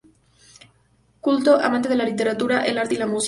Culto, amante de la literatura, el arte y la música.